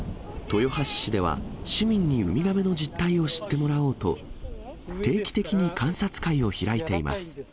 豊橋市では、市民にウミガメの実態を知ってもらおうと、定期的に観察会を開いています。